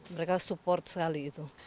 mereka support sekali itu